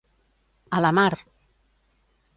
A la mar!